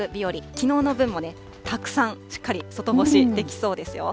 きのうの分もね、たくさんしっかり外干しできそうですよ。